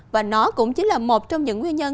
và nó cũng chỉ là một trong những nguyên nhân